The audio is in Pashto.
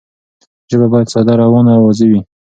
ژبه باید ساده، روانه او واضح وي.